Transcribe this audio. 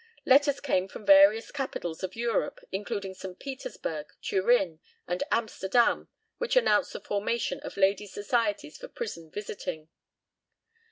Letters came from various capitals of Europe, including St. Petersburgh, Turin, and Amsterdam, which announced the formation of Ladies' Societies for prison visiting.